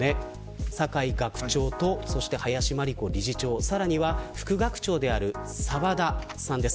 酒井学長と林真理子理事長さらには副学長である澤田さんです。